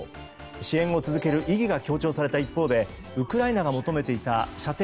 支援を続ける意義が強調された一方でウクライナが求めていた射程